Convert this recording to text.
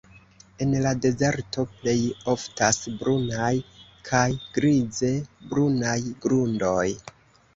En la dezerto plej oftas brunaj kaj grize-brunaj grundoj.